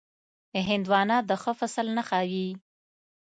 هندوانه د ښه فصل نښه وي.